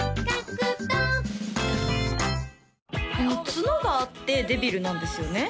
角があってデビルなんですよね？